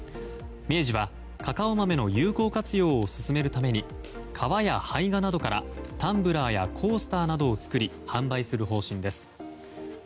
明治はカカオ豆の有効活用を進めるために皮や胚芽などからタンブラーやコースターなどを作り販売する方針です。